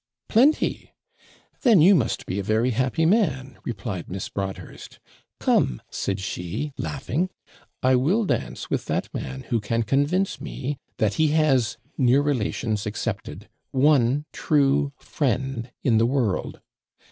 '"Plenty! then you must be a very happy man," replied Miss Broadhurst. "Come," said she, laughing, "I will dance with that man who can convince me that he has, near relations excepted, one true friend in the world!